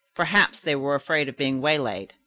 Perhaps they were afraid of being waylaid."